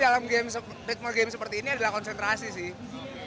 dalam ritme game seperti ini adalah konsentrasi sih